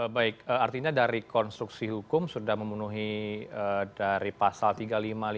baik artinya dari konstruksi hukum sudah memenuhi dari pasal tiga ratus lima puluh lima itu sendiri ya mas heri